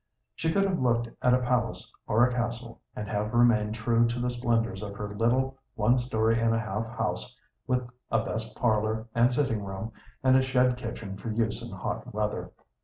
She could have looked at a palace or a castle, and have remained true to the splendors of her little one story and a half house with a best parlor and sitting room, and a shed kitchen for use in hot weather.